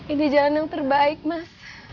ini jalan yang terbaik mas